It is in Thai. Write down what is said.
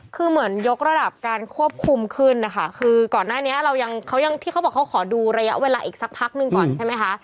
คือเหมือนยกระดับการควบคุมขึ้นนะคะคือก่อนหน้านี้เรายังเขายังที่เขาบอกเขาขอดูระยะเวลาอีกสักพักหนึ่งก่อนใช่ไหมคะ